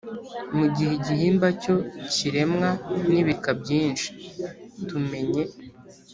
mu gihe igihimba cyo kiremwa n’ibika byinshi. Tumenye